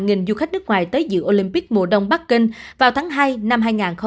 nghìn du khách nước ngoài tới dự olympic mùa đông bắc kinh vào tháng hai năm hai nghìn hai mươi